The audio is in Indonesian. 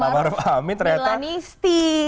ternyata pak maruf milanisti